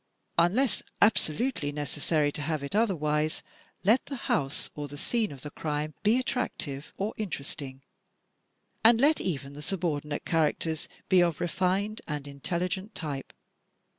Unless absolutely necessary to have it otherwise, let the house or the scene of the crime be attractive or interesting, and let even the subordinate characters be of refined and intelligent type.